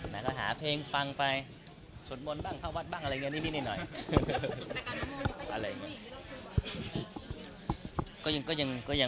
แล้วก็หาเพลงฟังไปฉดมนต์บ้างผ้าวัดบ้างอะไรอย่างเงี้ยนี่นี่หน่อย